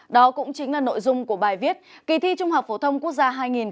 đó cũng chính là nội dung của bài viết kỳ thi trung học phổ thông quốc gia hai nghìn một mươi tám